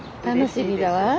楽しみだわ。